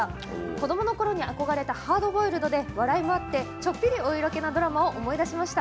子どものころに憧れたハードボイルドで笑いもあってちょっぴりお色気なドラマを思い出しました。